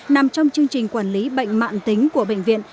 nằm trong chương trình quản lý bệnh mạng tính của bệnh viện